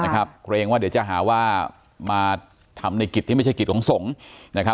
เกรงว่าเดี๋ยวจะหาว่ามาทำในกิจที่ไม่ใช่กิจของสงฆ์